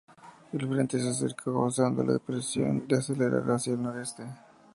El frente se acerca causado la depresión de acelerar hacia el noreste.